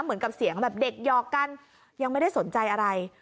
เหมือนกับเสียงแบบเด็กหยอกกันยังไม่ได้สนใจอะไร